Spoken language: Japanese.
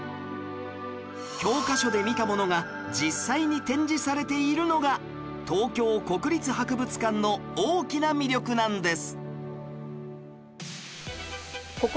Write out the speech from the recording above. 教科書で見たものが実際に展示されているのが東京国立博物館の大きな魅力なんです